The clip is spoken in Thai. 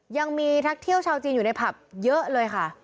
ยังมีทักเที่ยวชาวจีนอยู่ในผับเยอะเลยค่ะ